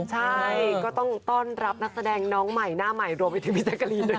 ใช่ก็ต้องต้อนรับนักแสดงน้องใหม่หน้าใหม่รวมไปถึงพี่แจ๊กกะรีนด้วย